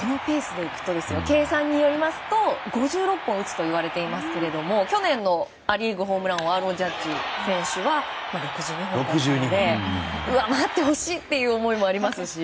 このペースでいきますと５６本打つといわれていますが去年のア・リーグホームラン王のアーロン・ジャッジ選手は６２本だったので待ってほしいっていう思いもありますし。